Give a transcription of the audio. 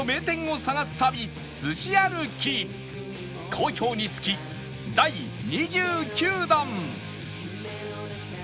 好評につき第２９弾